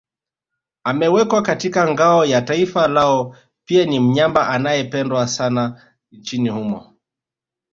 Amewekwa katika ngao ya taifa lao pia ni mnyama anayependwa sana nchini humo